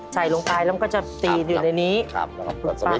ใส่ลงไปแล้วมันก็จะตีนอยู่ในนี้